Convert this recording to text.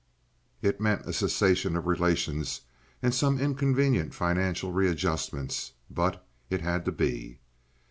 It meant a cessation of relations and some inconvenient financial readjustments; but it had to be.